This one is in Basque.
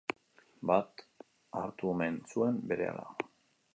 Bat hartu omen zuen berehala.